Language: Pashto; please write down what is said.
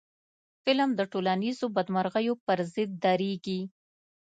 فلم د ټولنیزو بدمرغیو پر ضد درېږي